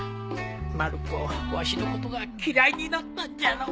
まる子わしのことが嫌いになったんじゃろう。